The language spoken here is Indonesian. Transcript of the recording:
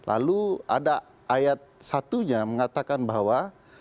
lalu ada ayat satunya mengatakan bahwa